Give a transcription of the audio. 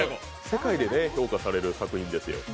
世界で評価される作品ですよ。